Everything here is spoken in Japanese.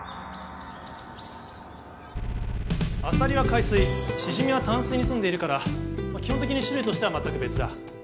アサリは海水シジミは淡水にすんでいるから基本的に種類としては全く別だ。